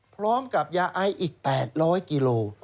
พร้อมกับยาไออีก๘๐๐กิโล